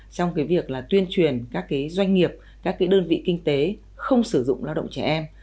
trong cái việc là tuyên truyền các cái doanh nghiệp các cái đơn vị kinh tế không sử dụng lao động trẻ em